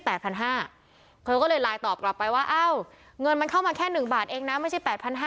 เธอก็เลยไลน์ตอบกลับไปว่าอ้าวเงินมันเข้ามาแค่๑บาทเองนะไม่ใช่๘๕๐๐